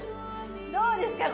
どうですか？